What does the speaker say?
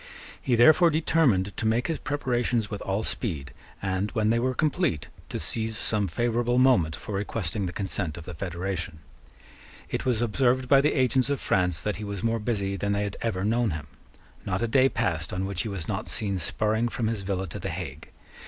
He therefore determined to make his preparations with all speed, and, when they were complete, to seize some favourable moment for requesting the consent of the federation. It was observed by the agents of France that he was more busy than they had ever known him. Not a day passed on which he was not seen spurring from his villa to the Hague.